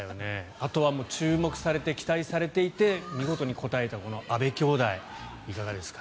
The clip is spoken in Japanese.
あとは注目されて期待されてきて見事に応えた阿部兄妹いかがですか？